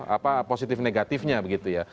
apa positif negatifnya begitu ya